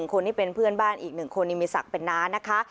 คนที่เป็นเพื่อนบ้านอีก๑คนนี่มีศักดิ์เป็นน้านะคะ